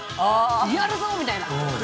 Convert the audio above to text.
やるぞ！みたいな。